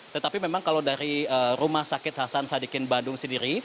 tetapi memang kalau dari rumah sakit hasan sadikin bandung sendiri